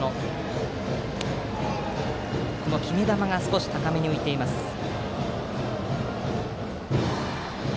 決め球が少し高めに浮いています、須貝。